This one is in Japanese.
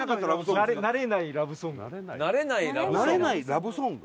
慣れないラブソング？